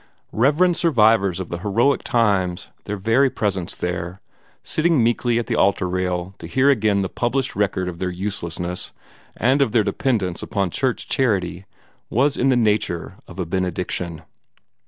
Reverend survivors of the heroic times, their very presence there sitting meekly at the altar rail to hear again the published record of their uselessness and of their dependence upon church charity was in the nature of a benediction.